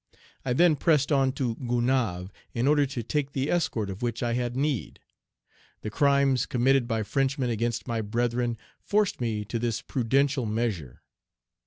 I then pressed on to Gonaïves in order to take the escort, of which I had need. The crimes committed by Frenchmen against my brethren forced me to this prudential measure.